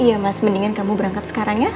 iya mas mendingan kamu berangkat sekarang ya